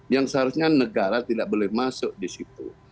yang seharusnya negara tidak boleh masuk di situ